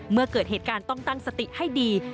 เมื่อเกิดเหตุการณ์ต้องตั้งสติให้ดี